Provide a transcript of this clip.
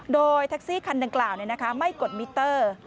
โดยแท็กซี่คันดังกล่าวไม่กดมิเตอร์